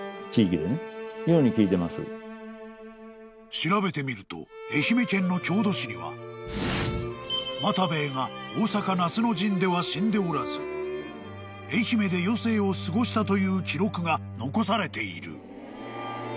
［調べてみると愛媛県の郷土誌には又兵衛が大坂夏の陣では死んでおらず愛媛で余生を過ごしたという記録が残されている］